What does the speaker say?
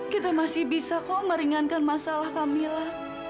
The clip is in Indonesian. kita masih bisa kok meringankan masalah kamila